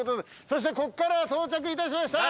そしてここからは到着しました。